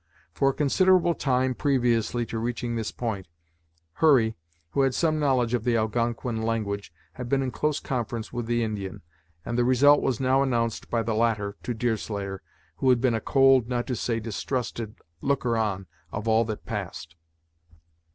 For a considerable time previously to reaching this point, Hurry, who had some knowledge of the Algonquin language, had been in close conference with the Indian, and the result was now announced by the latter to Deerslayer, who had been a cold, not to say distrusted, looker on of all that passed.